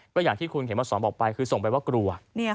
ก็อย่างที่คุณเข็มมาสอนบอกไปคือส่งไปว่ากลัว